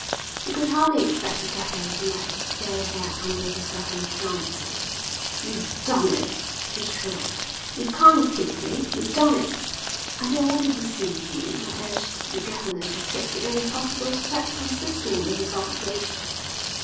"You could hardly expect the governor to let you stay here under the circumstances." "You done it," she shrieked. "You can't kid me. You done it." "I don't want to deceive you. I urged the governor to take the only possible step consistent with his obligations."